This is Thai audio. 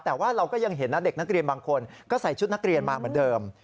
แต่ว่าเราก็ยังเห็นนะเด็กนักเรียนบางคนก็ใส่ชุดนักเรียนมาเหมือนเดิม